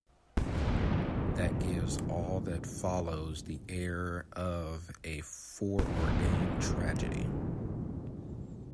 This gives all that follows the air of a foreordained tragedy.